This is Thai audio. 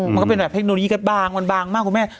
มันก็เป็นแบบเทคโนโลยีกันบางมันบางมากคุณแม่